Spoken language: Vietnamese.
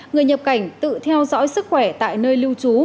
người nhập cảnh tự theo dõi sức khỏe tại nơi lưu trú